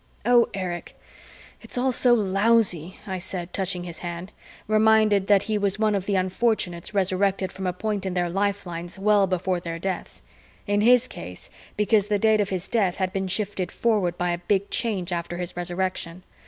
"Oh, Erich, it's all so lousy," I said, touching his hand, reminded that he was one of the unfortunates Resurrected from a point in their lifelines well before their deaths in his case, because the date of his death had been shifted forward by a Big Change after his Resurrection.